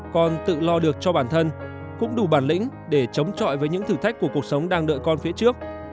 con tự lo được cho bản thân cũng đủ bản lĩnh để chống chọi với những thử thách của cuộc sống đang đợi con phía trước